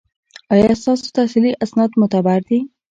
ایا ستاسو تحصیلي اسناد معتبر دي؟